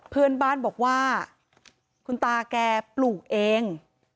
เพื่อนบ้านบอกว่าคุณตาแกปลูกเอง